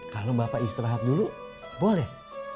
kalau bapak istirahat dulu boleh